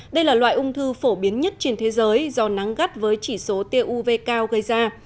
đây là loại ung thư phổ biến nhất trên thế giới do nắng gắt với chỉ số tia uv cao gây ra